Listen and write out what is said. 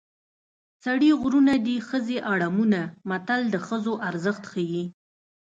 سړي غرونه دي ښځې اړمونه متل د ښځو ارزښت ښيي